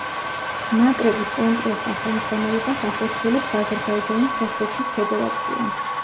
ნაკრების კონტროლს და ხელმძღვანელობას ახორციელებს აზერბაიჯანის ფეხბურთის ფედერაცია.